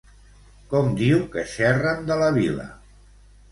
Com diu que xerren de la vila?